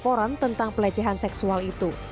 tidak ada laporan tentang pelecehan seksual itu